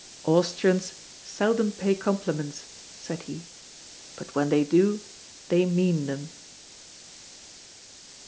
"Austrians seldom pay compliments," said he; "but when they do, they mean them."